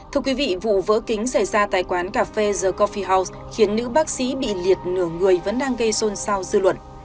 thưa quý vị vụ vỡ kính xảy ra tại quán cà phê the cophe house khiến nữ bác sĩ bị liệt nửa người vẫn đang gây xôn xao dư luận